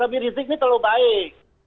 habib rizik ini terlalu baik